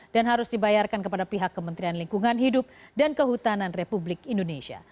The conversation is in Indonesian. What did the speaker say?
dan harus dibayarkan kepada pihak kementerian lingkungan hidup dan kehutanan republik indonesia